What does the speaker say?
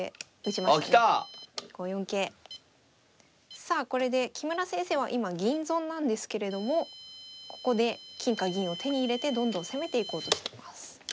さあこれで木村先生は今銀損なんですけれどもここで金か銀を手に入れてどんどん攻めていこうとしてます。